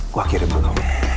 gua kirim dulu